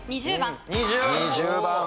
２０番。